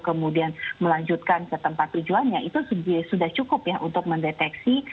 kemudian melanjutkan ke tempat tujuannya itu sudah cukup ya untuk mendeteksi